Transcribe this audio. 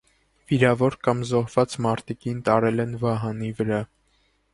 Վիրավոր կամ զոհված մարտիկին տարել են վահանի վրա։